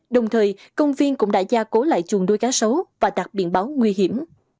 đồng thời công viên cũng đã gia cố lại chuồng nuôi cá sấu và đặt biển báo nguy hiểm